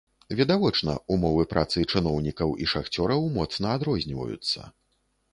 Відавочна, умовы працы чыноўнікаў і шахцёраў моцна адрозніваюцца.